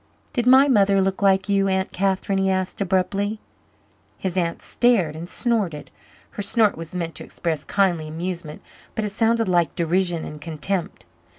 "Did my mother look like you, Aunt Catherine?" he asked abruptly. His aunt stared and snorted. Her snort was meant to express kindly amusement, but it sounded like derision and contempt.